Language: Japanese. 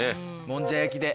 もんじゃ焼きで。